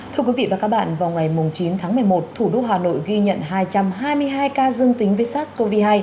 thưa quý vị và các bạn vào ngày chín tháng một mươi một thủ đô hà nội ghi nhận hai trăm hai mươi hai ca dương tính với sars cov hai